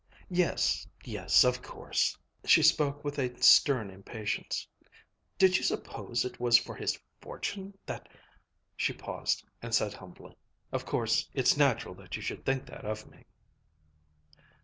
"Yes, yes, of course." She spoke with a stern impatience. "Did you suppose it was for his fortune that " She paused and said humbly, "Of course, it's natural that you should think that of me."